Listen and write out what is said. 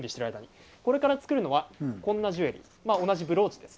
これから作るのはこんなジュエリーです。